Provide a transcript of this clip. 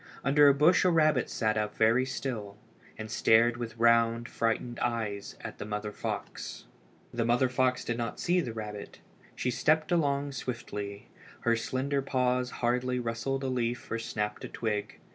Under a bush a rabbit sat up very still, and stared with round, frightened eyes at the mother fox. The mother fox did not see the rabbit. She stepped along swiftly. Her slender paws hardly rustled a leaf or snapped a twig.